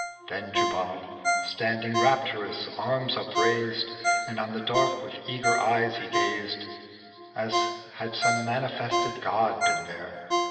Then Jubal, standing, rapturous arms upraised. And on the dark with eager eyes he gazed, As had some manifested god been there.